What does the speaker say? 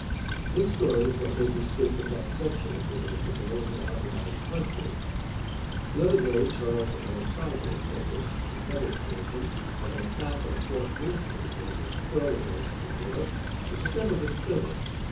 This story is what made me speak of that section a few minutes ago as an outlying country. The other day Charles L. Seigel told us the Confederate version of an attack on Fort Moultrie during the early days of the war, which has never been printed.